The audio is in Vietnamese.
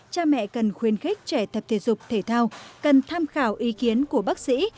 cha mẹ cần khuyên khích trẻ thập thể dục thể thao cần tham khảo ý kiến của bác sĩ